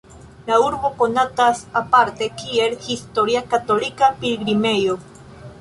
La urbo konatas aparte kiel historia katolika pilgrimejo.